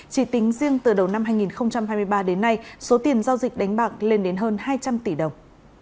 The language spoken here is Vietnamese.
chỉ tính riêng từ đầu năm hai nghìn hai mươi ba đến nay số tiền giao dịch đánh bạc lên đến hơn hai trăm linh tỷ đồng